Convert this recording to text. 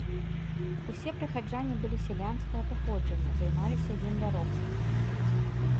Усе прыхаджане былі сялянскага паходжання, займаліся земляробствам.